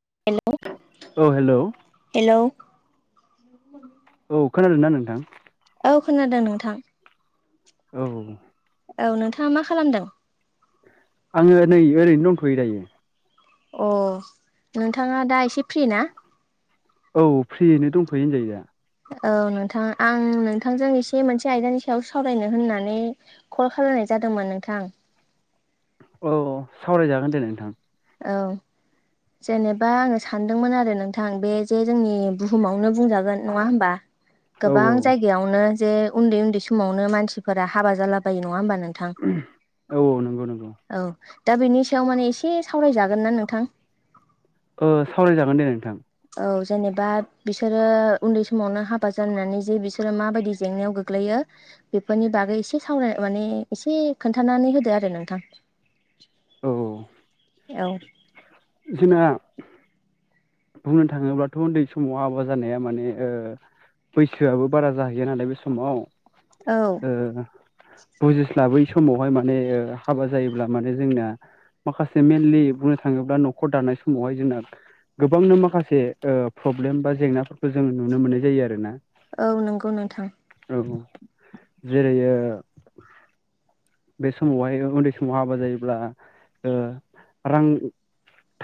हेल औ हेलौ हेल' औ खोनादों ना नोंथां। औ खोनादों नोंथां। औ। औ नोंथाङा मा खालामदों? आंङो नै ओरैनो दंथ'यो दायो। अ, नोंथाङा दा एसे फ्रि ना? औ फ्रियैनो दंफैयो होनजायो दा। औ नोंथां आं नोंथांजों एसे मोनसे आयदानि सायावसो सावरायनो होननानै कल खालायनाय जादोंमोन नोंथां। औ औ सावरायजागोन दे नोंथां। औ। जेनेबा आंङो सानदोंमोन आरो नोंथां बे जे जोंनि बुहुमावनो बुंजागोन नङा होमबा। औ गोबां जायगायावनो जे उन्दै उन्दै समावनो मानसिफोरा हाबा जालाबायो नङा होमबा नों औ औ नंगौ नंगौ। औ दा बेनि सायाव माने एसे सावरायजागोन ना नोंथां? ओ सावरायजागोन दे नोंथां। औ जेनेबा बिसोरो उन्दै समावनो हाबा जानानै जे बिसोरो माबायदि जेंनायाव गोग्लैयो बेफोरनि बागै एसे सावराय माने एसे खोन्थानानै होदो आरो नोंथां। औ। औ। [unintelligible] बुंनो थाङोब्लाथ' उन्दै समाव हाबा जानाया माने ओ बैसोआबो बारा जाहैया नालाय बे समाव औ ओ बुजिस्लाबै समावहाय माने हाबा जायोब्ला माने जोंना माखासे मइेनलि बुंनो थाङोब्ला न'खर दानाय समावहाय जोंना गोबांनो माखासे ओ प्रब्लेम बा जेंनाफोरखौ जों नुनो मोननाय जायो आरो ना औ नंगौ नोंथां औ जेरै ओ बे समावहाय उन्दै समाव हाबा जायोब्ला ओ रां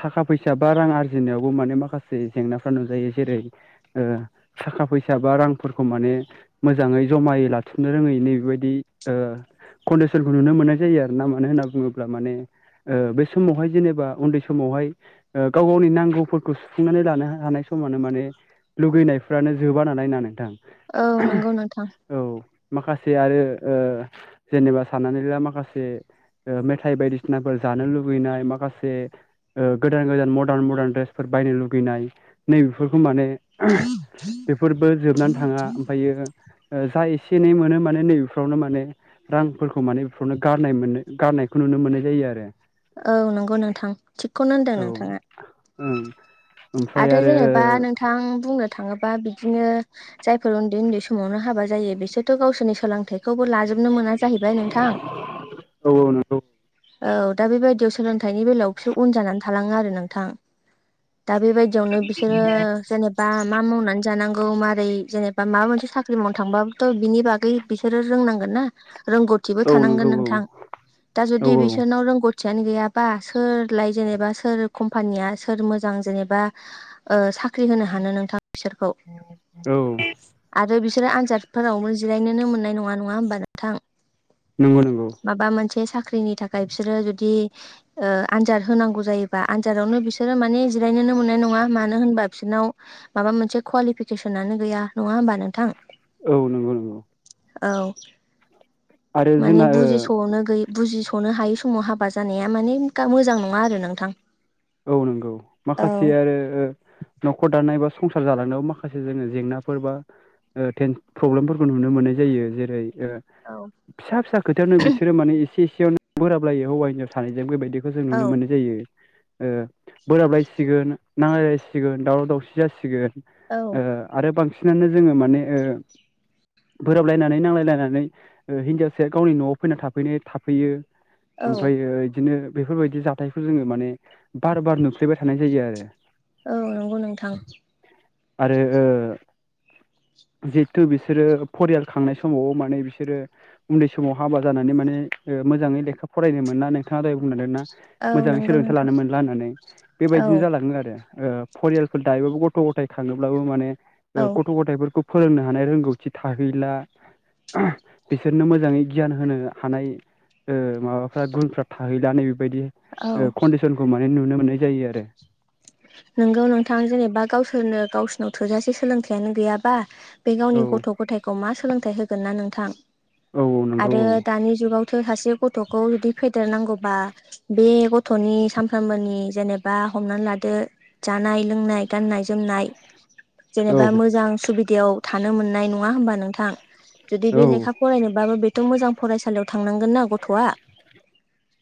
थाखा फैसा बा रां आरजिनायावबो माने माखासे जेंनाफ्रा नुजायो जेरै ओ थाखा फैसा बा रांफोरखौ माने मोजाङै जमायै लाथुमनो रोङै नै बेबायदि ओ कन्डिसनखौ नुनो मोननाय जायो आर ना मानो होनना बुङोब्ला माने ओ बे समावहाय जेनेबा उन्दै समावहाय गाव गावनि नांगौफोरखौ सुफुंनानै लानो हानाय समानो माने लुगैनायफ्रानो जोबा नालाय ना नोंथां औ नंगौ नोंथां औ माखासे आरो ओ जेनेबा साननानै ला माखासे ओ मेथाय बायदिसिनाफोर जानो लुुबैनाय माखासे ओ गोदान गोदान मडार्न मडार्न ड्रेसफोर बायनो लुगैनाय नैबेफोरखौ माने बेफोरबो जोबनानै थाङा ओमफ्रायो ओ जा एसे एनै मोनो माने नैबेफ्रावनो माने रांफोरखौ माने बेफोरावनो गारनाय गारनायखौ नुनो मोननाय जायो आरो औ नंगौ नोंथां थिगखौनो होनदों नोंथाङा ओम आरो जेनेबा नोंथां बुंनो थाङो बा बिदिनो जायफोर उन्दै उन्दै समावनो हाबा जायो बिसोरथ गावसोरनि सोलोंथाइखौबो लाजोब बनो मोना जाहैबाय नोंथां औ नंगौ औ दा बेबायदियाव सोलोंथाइनि बेलायाव बिसोर उन जानानै थालाङो आरो नोंथां दा बेबायदियावनो बिसोरो जेनेबा मा मावनानै जानांगौ मारै जेनेबा माबा मोनसे साख्रि मावनो थांबाबोथ बिनि बागै बिसोरो रोंनांगोन ना रोंगौथिबो औ नंगौ थानांगोन नोंथां दा औ जुदि बिसोरनाव रोंगौथियानो गैयाबा सोरलाय जेनेबा सोर कम्पानिया सोर मोजां जेनेबा ओ साख्रि होनो हानो नोंथां बिसोरखौ औ आरो बिसोरो आनजादफोरावबो जिरायनोनो मोननाय नङा नङा होमबा नोंथां नंगौ नंगौ बे साख्रिनि थाखाय बिसोरो जुदि ओ आनजाद होनांगौ जायोबा आनजादावनो बिसोरो माने जिरायनोनो मोननाय नङा नङा मानो होनबा बिसोरनाव माबा मोनसे कुवालिफिकेसनानो गैया नङा होमबा नोंथां औ नंगौ नंगौ औ आरो माने जोंना ओ बुजिसनो गैय बुजिस नो हायै समाव हाबा जानाया माने मोजां नङा आरो नोंथां औ नंगौ औ माखासे आरो नखर दानाय बा संसार जालांनायाव माखासे जोङो जेंनाफोर बा प्रब्लेमफोरखौ नुनो मोननाय जायो जेरै औ फिसा फिसा खोथायावनो बिसोरो माने एसे एसेयावनो बोराबलायो हौवा हिनजाव सानैजों बेबायदि बेखौ जों नुनो मोननाय जायो ओ बोराबलायसिगोन नांलायलायसिगोन दावराव दावसि जासिगोन औ ओ आरो बांसिनानो जोङो माने ओ बोराबलायनानै नांलायलायनानै हिनजावसाया गावनि नआव फैनानै थाफैनाय थाफैयो औ ओमफ्रयो बिदिनो बेफोरबायदि जाथायखौ जोङो माने बार बार नुफ्लैबाय थानाय जायो आरो औ नंगौ नोंथां आरो ओ [inaudible] जिहेथु बिसोरो फरियाल खांनाय समाव माने बिसोरो उन्दै समाव हाबा जानानै माने ओ ओ मोजाङै लेखा फरायनो मोना नोंथाङा दय बुंलांदोंना औ नंगौ नोंथां लानानै औ बेबायदिनो जालाङो आरो ओ फरियालफोर दायोबाबो गथ' गथाय खाङोब्लाबो माने ओ औ गथ' गथायफोरखौ फोरोंनो हानाय रोंगौथि थाहैला [unintelligible] बिसोरनो मोजाङै गियान होनो हानाय ओ माबाफ्रा गुनफ्रा थाहैलानो बायदि ओ औ कन्डिसनखौ माने नुनो मोननाय जायो आरो नंगौ नोंथां जेनेबा गावसोरनो गावसोरनाव थोजासे सोलोंथाइयानो गैयाबा बे औ गावनि गथ' गथायखौ मा सोलोंथाइ होगोन ना नोंथां औ औ नंगौ आरो औ दानि जुगावथ' सासे गथ'खौ जुदि फेदेरनांगौ बा बे गथ'नि सानफ्रोमबोनि जेनेबा हमनानै ला दो जानाय लोंनाय गाननाय जोमनाय औ जेनेबा मोजां सुबिदायाव थानो मोननाय नङा होमबा नोंथां जुदि औ बे लेखा फरायनोबाबो बेथ' मोजां फरायसालियाव थांनांगोनना गथ'आ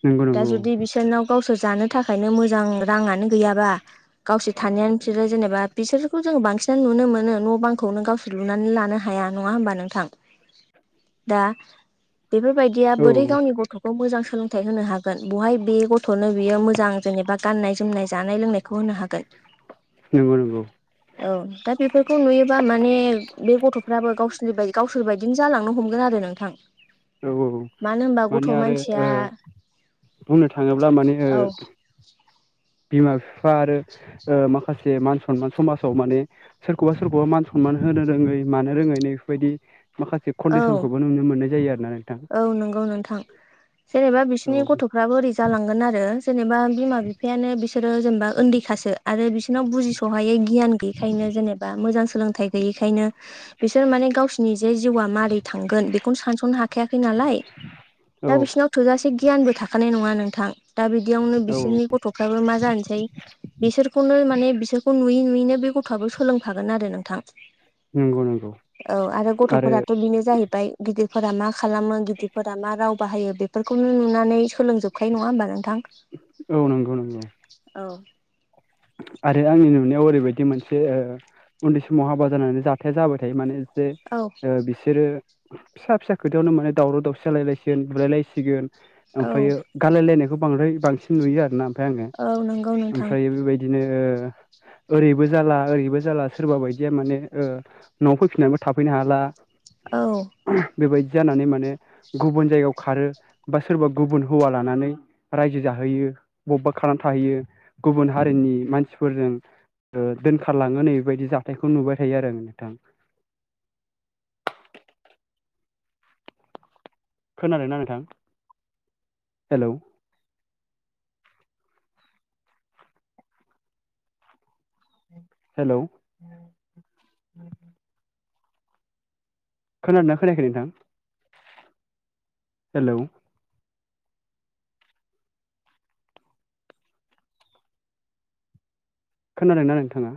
नंगौ दा नंगौ जुदि बिसोरनाव गावसोर जानो थाखायनो मोजां राङानो गैयाबा गावसोर थानायानो बिसोरो जेनेबा बिसोरखौ जों बांसिन नुनो मोनो न' बांखौनो गावसोर लुनानै लानो हाया नङा होमबा नोंथां दा बेफोरबायदिया औ बोरै गावनि गथ'खौ मोजां सोलोंथाइ होनो हागोन बहाय बे गथ'नो बियो मोजां जेनेबा गाननाय जोमनाय जानाय लोंनाय खौ होनो हागोन नंगौ नंगौ औ दा बेफोरखौ नुयोबा माने बे गथ'फ्राबो गावसोरनि बाय गावसोर बायदिनो जालांनो हमगोन आरो नोंथां औ औ मानो होनबा गथ' माने आरो मानसिया ओ बुंनो थाङोब्ला माने ओ औ बिमा बिफा आरो ओ माखासे मान सनमान समाजाव माने सोरखौबा सोरखौबा मान सनमा मान होनो रोङै मानो रोङै नैफोरबायदि माखासे औ कन्डिसनखौबो नुनो मोननाय जायो आरो ना नोंथां औ नंगौ नोंथां जेनेबा औ बिसोरनि गथ'फ्राबो ओरै जालांगोन आरो जेनेबा बिमा बिफायानो बिसोरो जेनेबा उन्दैखासो आरो बिस ओरनाव बुजिस'हायै गियान गैयैखायनो जेनेबा मोजां सोलोंथाइ गैयैखायनो बिसोर माने गावसिनि जे जिउआ मारै थांगोन बेखौनो सानस'नो हाखायाखै नालाय औ दा बिसिनाव थोजासे गियानबो थाखानाय नङा नों थां दा बिदियावनो औ बिसोरनि गथ'फ्राबो मा जानोसै बिसोरखौनो माने बिसोरखौ नुयै नुयैनो बे गथ'आबो सोलोंफागोन आरो नोंथां नंगौ नंगौ आरो फोराथ' बेनो जाहैबाय गिदिरफोरा मा खालामो गिदिरफोरा मा राव बाहायो बेफोरखौनो नुनानै सो सोलोंजोबखायो नङा होमबा नोंथां औ नंगौ नंगौ औ आरो आंनि नुनायाव ओरैबायदि मोनसे ओ उन्दै समाव हाबा जानानै जाथाया जाबाय थायो माने जे औ ओ बिसोरो फिसा फिसा खोथायावनो माने दावराव दावसि जालायलायसिगोन बुलायलायसिगोन औ ओमफ्रायो गारलायलायनायखौ बांद्राय बांसिन नुयो आरोना ओमफ्राय आङो औ नंगौ नोंथां ओमफ्रय बेबाय दिनो ओरैबो जाला ओरैबो जाला सोरबा बायदिया माने ओ न'आव फैफिननानैबो थाफैनो हाला औ बेबायदि जानानै माने गुबुन जायगायाव खारो बा सोरबा गुबुन हौवा लानानै रायजो जा हैयो बबबा खारनानै थाहैयो गुबुन हा रिनि मानसिफोरजों ओ दोनखारलाङो नै बेबायदि जाथायखौ नुबाय थायो आरो नोंथां [inaudible] खोनादोंना नोंथां हेलौ हेल' खोनादोंना खोनायाखै नोंथां हेलौ खोनादोंना नोंथाङा